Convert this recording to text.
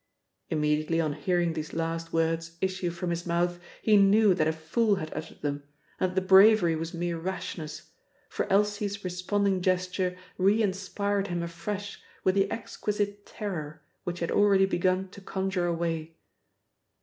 Immediately on hearing these last words issue from his mouth he knew that a fool had uttered them, and that the bravery was mere rashness; for Elsie's responding gesture reinspired him afresh with the exquisite terror which he had already begun to conjure away.